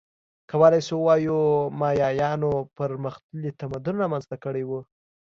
کولای شو ووایو مایایانو پرمختللی تمدن رامنځته کړی و